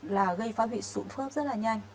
là gây phá huyện sụn phớp rất là nhanh